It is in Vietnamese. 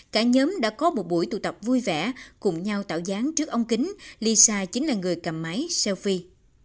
cả nhóm đã có một buổi tụ tập vui vẻ cùng nhau tạo dáng trước ống kính lisa chính là người cầm máy selfie